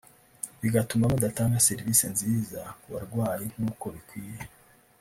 bigatuma badatanga serivisi nziza ku barwayi nk’uko bikwiye